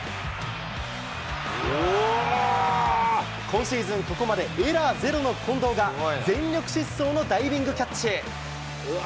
今シーズン、ここまでエラーゼロの近藤が、全力疾走のダイビングキャッチ。